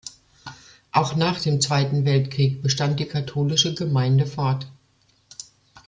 Auch nach dem Zweiten Weltkrieg bestand die katholische Gemeinde fort.